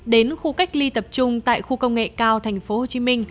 đến khu cách ly tập trung tại khu công nghệ cao tp hcm